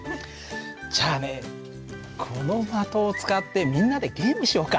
じゃあねこの的を使ってみんなでゲームしようか。